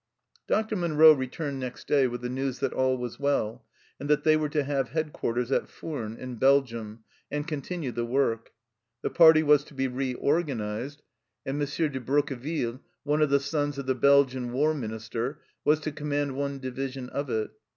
Dr. Munro returned next day with the news that all was well, and that they were to have head quarters at Furnes, in Belgium, and continue the work. The party was to be reorganized, and 8 58 THE CELLAR HOUSE OF PERVYSE M. de Broqueville, one of the sons of the Belgian War Minister, was to command one division of it.